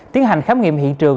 tiến hành khám nghiệm hiện trường